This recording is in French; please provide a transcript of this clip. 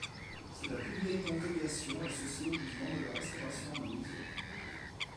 C'est la plus vieille congrégation associée au mouvement de la Restauration en Louisiane.